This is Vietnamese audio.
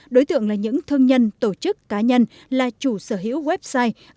đối tượng là những thương nhân tổ chức cá nhân là chủ sở hữu website